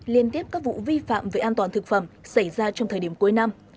liên tiếp các vụ vi phạm về an toàn thực phẩm xảy ra trong thời điểm cuối năm